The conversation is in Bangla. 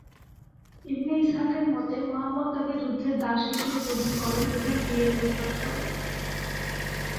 ইবনে ইসহাকের মতে, মুহাম্মদ তাকে যুদ্ধের দাস হিসেবে গ্রহণ করেন এবং বিয়ের প্রস্তাব করেন।